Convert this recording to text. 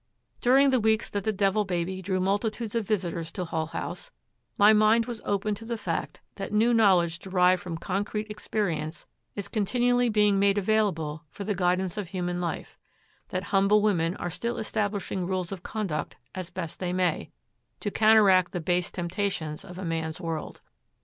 During the weeks that the Devil Baby drew multitudes of visitors to Hull House, my mind was opened to the fact that new knowledge derived from concrete experience is continually being made available for the guidance of human life; that humble women are still establishing rules of conduct as best they may, to counteract the base temptations of a man's world.